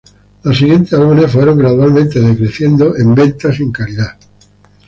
Los siguientes álbumes fueron gradualmente decreciendo en ventas y en calidad.